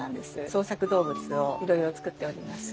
創作動物をいろいろ作っております。